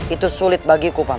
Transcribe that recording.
itu sulit bagiku paman